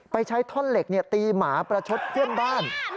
ใช้ท่อนเหล็กตีหมาประชดเพื่อนบ้าน